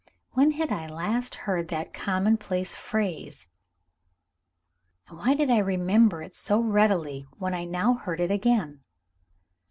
When had I last heard that commonplace phrase? and why did I remember it so readily when I now heard it again?